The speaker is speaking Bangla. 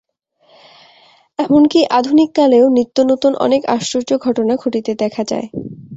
এমন কি আধুনিককালেও নিত্য নূতন অনেক আশ্চর্য ঘটনা ঘটিতে দেখা যায়।